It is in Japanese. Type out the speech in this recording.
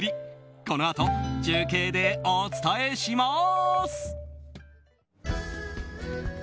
このあと中継でお伝えします！